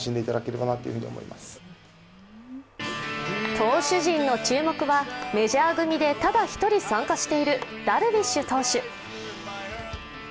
投手陣の注目はメジャー組でただ一人参加しているダルビッシュ投手。